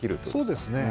そうですね。